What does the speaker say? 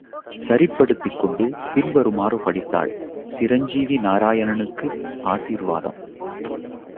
சரிப்படுத்திக் கொண்டு, பின்வருமாறு படித்தாள் சிரஞ்சீவி நாராயணனுக்கு ஆசீர்வாதம்.